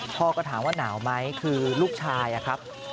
พ่อก็ถามว่าหนาวไหมคือลูกชายอะครับ